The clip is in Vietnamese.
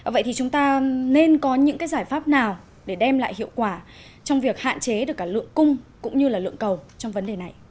vậy thì chúng ta nên có những cái giải pháp nào để đem lại hiệu quả trong việc hạn chế được cả lượng cung cũng như là lượng cầu trong vấn đề này